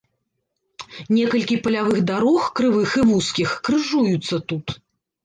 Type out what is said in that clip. Некалькі палявых дарог, крывых і вузкіх, крыжуюцца тут.